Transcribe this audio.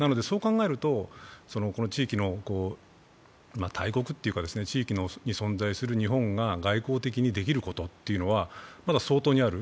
なので、この地域の、大国というか、地域に存在する日本が外交的にできることっていうのはまだ相当にある。